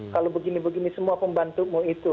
kalau begini begini semua pembantumu itu